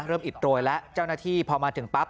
อิดโรยแล้วเจ้าหน้าที่พอมาถึงปั๊บ